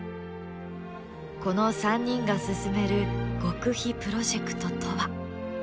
この３人が進める極秘プロジェクトとは？